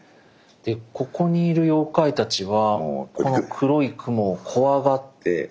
でここにいる妖怪たちはこの黒い雲を怖がって。